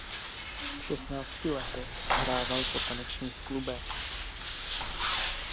V šestnácti letech hrával po tanečních klubech.